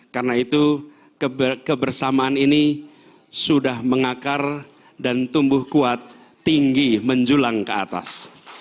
karena itu kebersamaan ini sudah mengakar dan tumbuh kuat tinggi menjulang ke atas